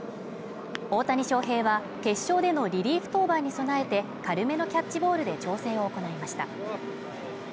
大谷翔平は決勝でのリリーフ登板に備えて軽めのキャッチボールで調整を行いました。